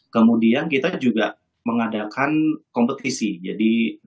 kemudian kita juga mengadakan kompetisi jadi